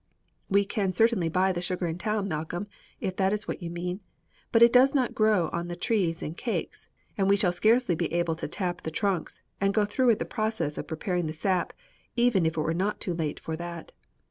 "We can certainly buy the sugar in town, Malcolm, if that is what you mean; but it does not grow on the trees in cakes, and we shall scarcely be able to tap the trunks and go through with the process of preparing the sap, even if it were not too late for that.